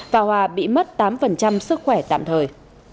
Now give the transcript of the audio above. và hòa bị mất tám sức khỏe tạm thời